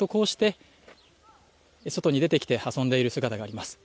やっとこうして外に出てきて遊んでいる姿があります